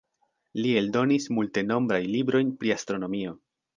Li eldonis multenombraj librojn pri astronomio.